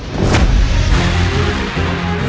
biarkan saja dia kabur